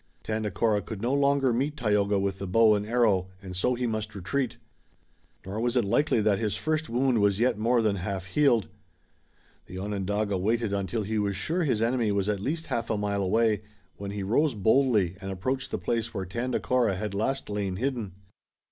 Tandakora could no longer meet Tayoga with the bow and arrow and so he must retreat. Nor was it likely that his first wound was yet more than half healed. The Onondaga waited until he was sure his enemy was at least a half mile away, when he rose boldly and approached the place where Tandakora had last lain hidden.